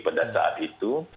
pada saat itu